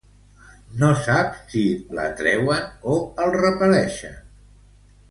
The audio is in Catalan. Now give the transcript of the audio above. No sap si l'atreuen o el repel·leixen.